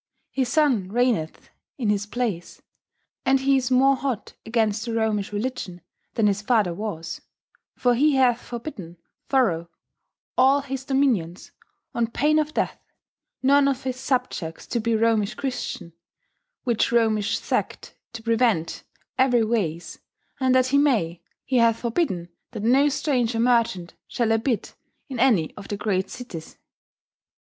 His son raigneth in his place, and hee is more hot agaynste the romish relligion then his ffather wass: for he hath forbidden thorough all his domynions, on paine of deth, none of his subjects to be romish christiane; which romish seckt to prevent eueri wayes that he maye, he hath forbidden that no stranger merchant shall abid in any of the great citties."